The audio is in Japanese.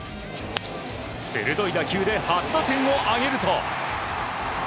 鋭い打球で初打点を挙げると。